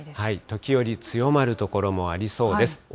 時折、強まる所もありそうです。